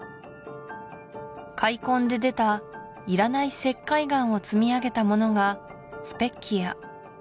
開墾で出たいらない石灰岩を積み上げたものがスペッキア